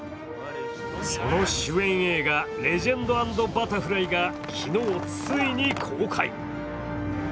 その主演映画「レジェンド＆バタフライ」が昨日ついに公開。